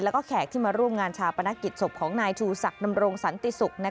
แล้วก็แขกที่มาร่วมงานชาปนกิจศพของนายชูศักดำรงสันติศุกร์